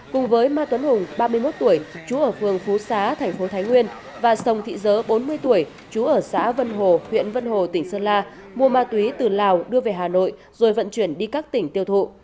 cùng với ma tuấn hùng ba mươi một tuổi chú ở phường phú xá thành phố thái nguyên và sồng thị dớ bốn mươi tuổi chú ở xã vân hồ huyện vân hồ tỉnh sơn la mua ma túy từ lào đưa về hà nội rồi vận chuyển đi các tỉnh tiêu thụ